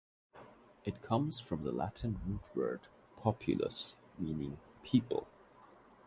It comes from the Latin root word "populus" meaning "people".